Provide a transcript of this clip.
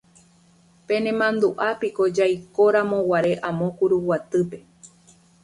Penemandu'ápiko jaikoramoguare amo Kuruguatýpe.